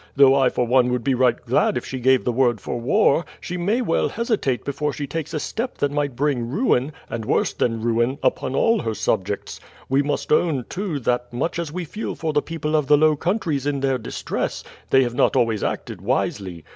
Though I for one would be right glad if she gave the word for war, she may well hesitate before she takes a step that might bring ruin, and worse than ruin, upon all her subjects. We must own, too, that much as we feel for the people of the Low Countries in their distress, they have not always acted wisely.